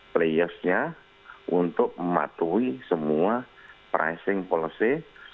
players nya untuk mematuhi semua pricing policy